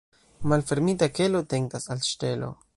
Malfermita kelo tentas al ŝtelo.